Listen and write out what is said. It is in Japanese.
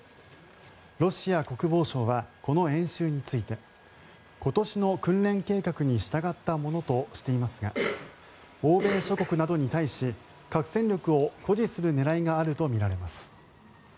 ロシア国防省はこの演習について今年の訓練計画に従ったものとしていますが欧米諸国などに対し核戦力を誇示する狙いがあるとみられます。